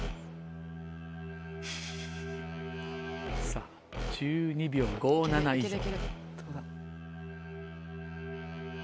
さぁ１２秒５７以上。